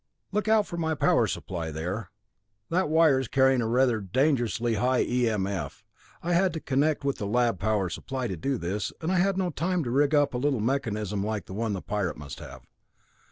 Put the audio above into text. Look out for my power supply there that wire is carrying a rather dangerously high E.M.F. I had to connect with the lab power supply to do this, and I had no time to rig up a little mechanism like the one the pirate must have.